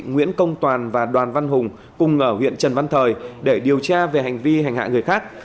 nguyễn công toàn và đoàn văn hùng cùng ở huyện trần văn thời để điều tra về hành vi hành hạ người khác